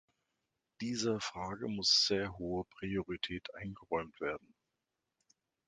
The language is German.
Dieser Frage muss sehr hohe Priorität eingeräumt werden.